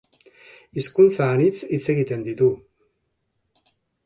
Hizkuntza anitz hitz egiten ditu.